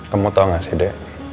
kamu tau gak sih de